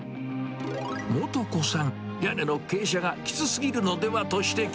素子さん、屋根の傾斜がきつすぎるのではと指摘。